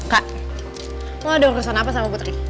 kak lo ada urusan apa sama putri